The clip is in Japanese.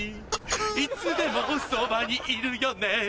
いつでもそばにいるよね